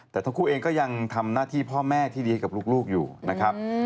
แต่ทั้งคู่เองก็ยังทำหน้าที่พ่อแม่ที่ดีให้กับลูกอยู่นะครับ